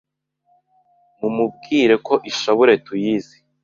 Mumubwire Ko Ishapule Tuyizi